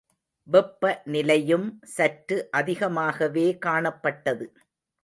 வெப்ப நிலையும் சற்று அதிகமாகவே காணப்பட்டது.